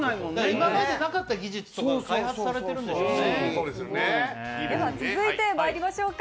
今までなかった技術とかか開発されているんでしょうね。